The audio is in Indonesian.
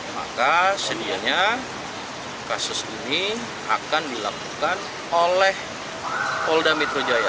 maka sedianya kasus ini akan dilakukan oleh polda metro jaya